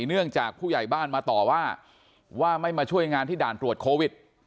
เนื่องจากผู้ใหญ่บ้านมาต่อว่าว่าไม่มาช่วยงานที่ด่านตรวจโควิด